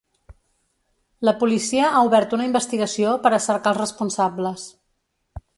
La policia ha obert una investigació per a cercar els responsables.